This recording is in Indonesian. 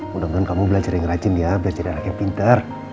mudah mudahan kamu belajar yang rajin ya belajar dari anak yang pintar